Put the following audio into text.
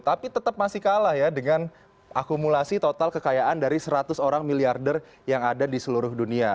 tapi tetap masih kalah ya dengan akumulasi total kekayaan dari seratus orang miliarder yang ada di seluruh dunia